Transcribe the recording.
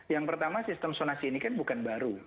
yang pertama sistem sonasi ini kan bukan baru